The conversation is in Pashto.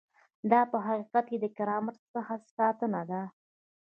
دا په حقیقت کې د کرامت څخه ساتنه ده.